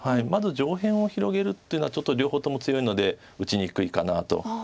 まず上辺を広げるというのはちょっと両方とも強いので打ちにくいかなと。